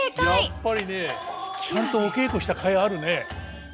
やっぱりねちゃんとお稽古したかいあるね。